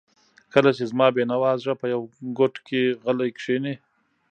کله چې زما بېنوا زړه په یوه ګوټ کې غلی کښیني.